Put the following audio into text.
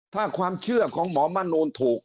ถ้าความเชื่อของหมอมนูลถูก